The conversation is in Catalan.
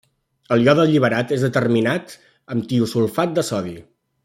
El iode alliberat és determinat amb tiosulfat de sodi.